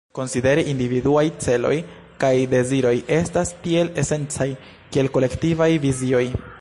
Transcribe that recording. Konsideri individuaj celoj kaj deziroj estas tiel esencaj kiel kolektivaj vizioj.